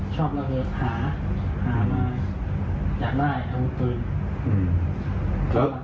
ชอบระเบิดหาหามาอยากได้อาวุธปืน